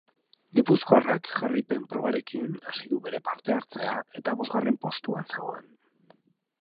Gipuzkoarrak jarraipen probarekin hasi du bere parte hartzea eta bosgarren postuan zegoen.